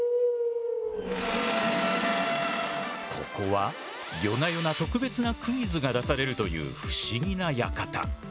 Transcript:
ここは夜な夜な特別なクイズが出されるという不思議な館。